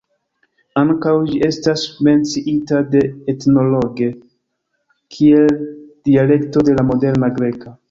Ankaŭ ĝi estas menciita de "Ethnologue" kiel dialekto de la moderna greka.